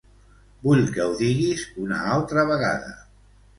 Vull que ho diguis una altra vegada.